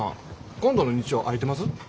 今度の日曜空いてます？